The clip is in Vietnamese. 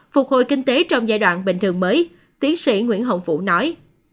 phục hồi kinh tế trong giai đoạn bình thường mới tiến sĩ nguyễn hồng vũ nói